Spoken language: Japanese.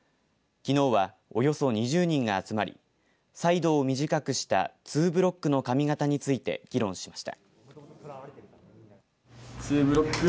きのうは、およそ２０人が集まりサイドを短くしたツーブロックの髪型について議論しました。